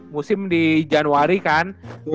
musim di januari kan